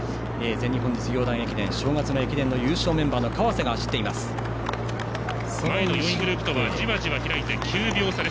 全日本実業団駅伝正月の駅伝の優勝メンバーの川瀬が走っています。